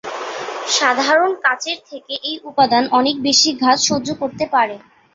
সাধারণ কাচের থেকে এই উপাদান অনেক বেশি ঘাত সহ্য করতে পারে।